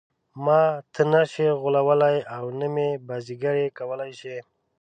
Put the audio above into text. ماته نه شي غولولای او نه مې بازيګر کولای شي.